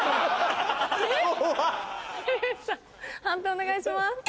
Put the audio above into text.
判定お願いします。